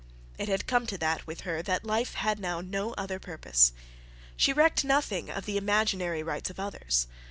It had come to that with her that life had now no other purpose. She recked nothing of the imaginary rights of others.